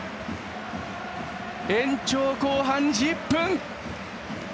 延長後半１０分。